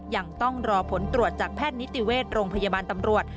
ยังต้องรอผลตรวจจากแพทย์นิติเวชโรงพยาบาลตำรวจ